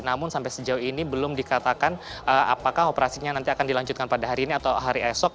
namun sampai sejauh ini belum dikatakan apakah operasinya nanti akan dilanjutkan pada hari ini atau hari esok